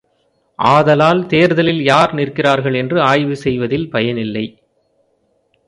ஆதலால் தேர்தலில் யார் நிற்கிறார்கள் என்று ஆய்வு செய்வதில் பயனில்லை!